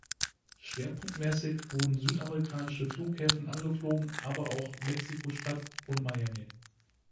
Schwerpunktmäßig wurden südamerikanische Flughäfen angeflogen, aber auch Mexiko-Stadt und Miami.